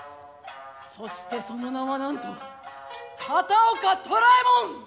そしてその名はなんと片岡寅右衛門！